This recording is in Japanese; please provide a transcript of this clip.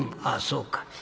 あそうか。